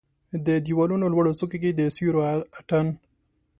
د د یوالونو لوړو څوکو کې د سیورو اټن